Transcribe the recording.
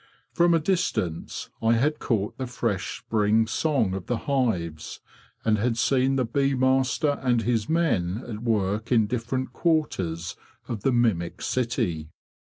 From a distance I had caught the fresh spring song of the hives, and had seen the bee master and his men at work in different quarters of the mimic city.